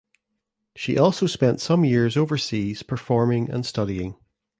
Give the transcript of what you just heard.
She also spent some years overseas performing and studying.